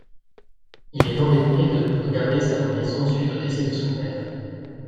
Il est endetté de pour garder sa maison suite au décès de son père.